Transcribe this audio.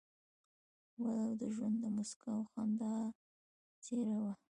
ولو د ژوند د موسکا او خندا څېره وه.